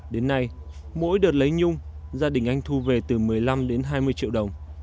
đến nay mỗi đợt lấy nhung gia đình anh thu về từ một mươi năm đến hai mươi triệu đồng